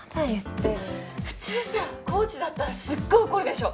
普通さコーチだったらすっごい怒るでしょ。